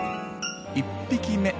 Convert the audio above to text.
１匹目。